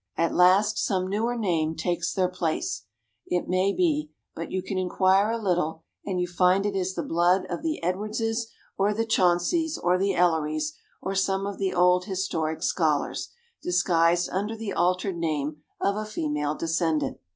At last some newer name takes their place, it maybe, but you inquire a little and you find it is the blood of the Edwardses or the Chauncys or the Ellerys or some of the old historic scholars, disguised under the altered name of a female descendant.